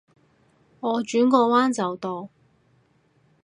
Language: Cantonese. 我轉個彎到啦